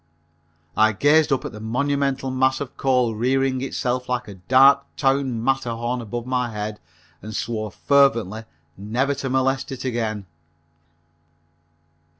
I gazed up at the monumental mass of coal rearing itself like a dark town Matterhorn above my head and swore fervently never to molest it again.